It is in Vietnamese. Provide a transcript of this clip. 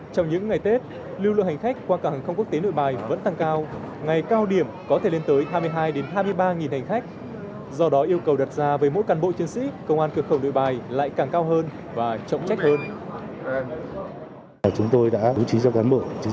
trong những ngày tết lưu lượng hành khách qua cảng hàng không quốc tế nội bài vẫn tăng cao ngày cao điểm có thể lên tới hai mươi hai hai mươi ba hành khách do đó yêu cầu đặt ra với mỗi cán bộ chiến sĩ công an cửa khẩu đội bài lại càng cao hơn và trọng trách hơn